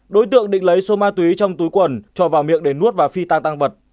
đối tượng định lấy sô ma túy trong túi quần cho vào miệng để nuốt và phi tan tăng bật